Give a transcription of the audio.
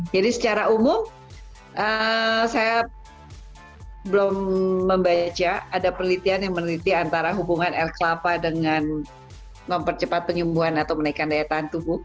jadi secara umum saya belum membaca ada penelitian yang meneliti antara hubungan air kelapa dengan mempercepat penyumbuhan atau menaikkan daya tahan tubuh